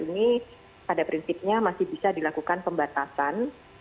ini pada prinsipnya masih bisa dilakukan pembatasan